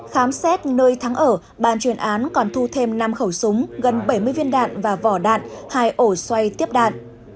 khám xét nơi thắng ở bàn chuyên án còn thu thêm năm khẩu súng gần bảy mươi viên đạn và vỏ đạn hai ổ xoay tiếp đạn